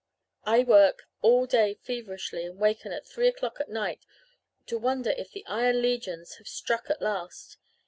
I work all day feverishly and waken at three o'clock at night to wonder if the iron legions have struck at last.